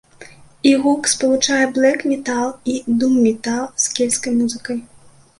Іх гук спалучае блэк-метал і дум-метал з кельцкай музыкай.